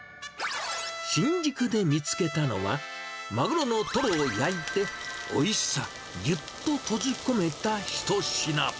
新宿で見つけたのは、マグロのトロを焼いて、おいしさぎゅっと閉じ込めた一品。